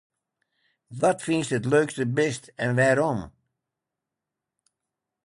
Wat fynst it leukste bist en wêrom?